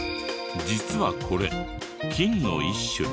実はこれ菌の一種で。